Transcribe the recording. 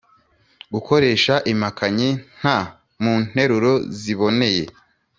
Gukoresha impakanyi nta mu nteruro ziboneye.